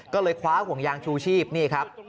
ก็เลยคว้าห่วงยางชูชีพนี่ครับ